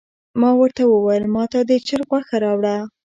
ما ورته وویل ماته د چرګ غوښه راوړه.